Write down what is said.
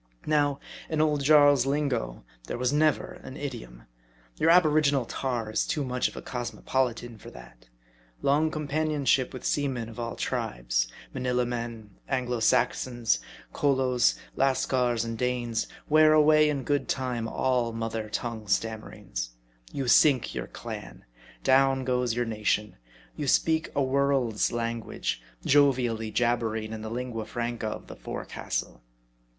Now, in old Jarl's lingo there was never an idiom. Your aboriginal tar is too much of a cosmopolitan for that. Long companionship with seamen of all tribes : Manilla men, Anglo Saxons, Cholos, Lascars, and Danes, wear away in VOL. i. B 26 M A R D I. good time all mother tongue stammerings. You sink your clan ; down goes your nation ; you speak a world's language, jovially jabbering in the Lingua Franca of the forecastle.